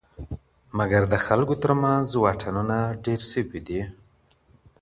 مګر د خلکو تر منځ واټنونه ډېر سوي دي.